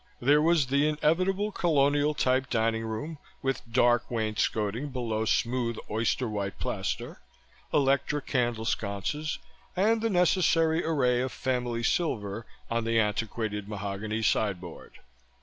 There was the inevitable colonial type dining room, with dark wainscoting below smooth oyster white plaster, electric candle sconces, and the necessary array of family silver on the antiqued mahogany sideboard.